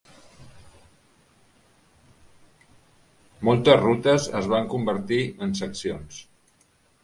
Moltes rutes es van convertir en seccions.